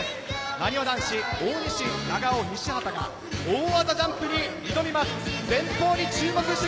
なにわ男子、大西、長尾、西畑が大技のジャンプに挑みます。